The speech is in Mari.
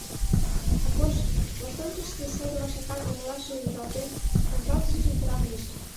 Акош, воштончышышто содо вашакан оҥылашыжым ужылалтен, ончалтышыжым кораҥдыш.